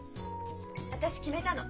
私決めたの。